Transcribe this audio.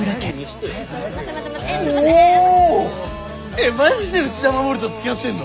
えっマジで内田衛とつきあってんの？